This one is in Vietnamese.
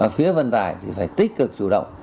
phía vận tải thì phải tích cực chủ động